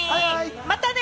またね！